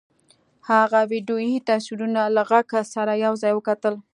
هغه ويډيويي تصويرونه له غږ سره يو ځای وکتل.